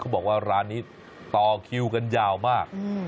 บอกว่าร้านนี้ต่อคิวกันยาวมาก